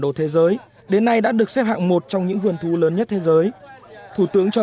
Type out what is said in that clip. đồ thế giới đến nay đã được xếp hạng một trong những vườn thú lớn nhất thế giới thủ tướng cho